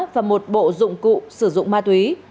và một bộ dụng cụ sử dụng ma túy